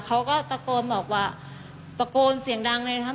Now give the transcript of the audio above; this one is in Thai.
เขาก็เราก็บอกว่าประโกนเสียงดังเลยนะคะ